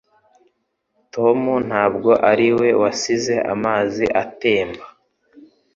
Tom ntabwo ari we wasize amazi atemba